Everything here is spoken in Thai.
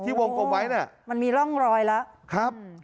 ที่วงปกไว้มันมีร่องรอยแล้ว